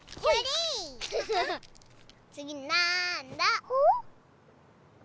つぎなんだ？